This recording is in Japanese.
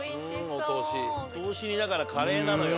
お通しにだからカレーなのよ